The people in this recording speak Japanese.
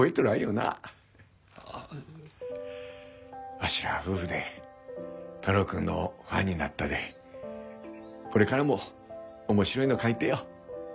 わしら夫婦で太郎くんのファンになったでこれからも面白いの書いてよ。